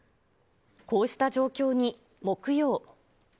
こうした状況に木曜。